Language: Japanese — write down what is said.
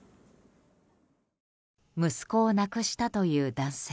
息子を亡くしたという男性。